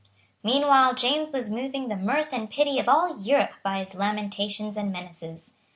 Meanwhile James was moving the mirth and pity of all Europe by his lamentations and menaces.